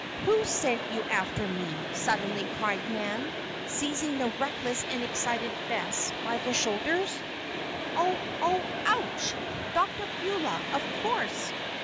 "Who sent you after me?" suddenly cried Nan, seizing the reckless and excited Bess by the shoulders. "Oh! oh! ouch! Dr. Beulah, of course!"